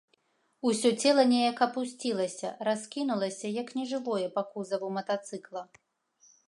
Усё цела неяк апусцілася, раскінулася, як нежывое, па кузаву матацыкла.